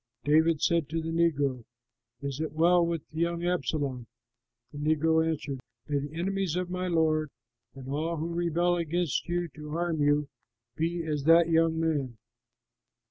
'" David said to the negro, "Is it well with the young Absalom?" The negro answered, "May the enemies of my lord and all who rebel against you to harm you be as that young man!"